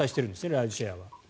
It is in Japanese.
ライドシェアは。